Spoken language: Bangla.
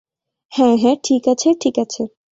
হ্যাঁ হ্যাঁ, ঠিক আছে, ঠিক আছে।